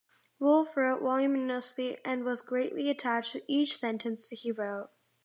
Wolfe wrote voluminously and was greatly attached to each sentence he wrote.